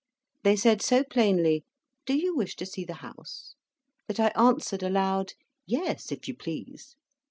They said so plainly, "Do you wish to see the house?" that I answered aloud, "Yes, if you please."